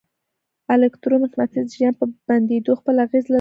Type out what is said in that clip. الکترو مقناطیس د جریان په بندېدو خپل اغېز له لاسه ورکوي.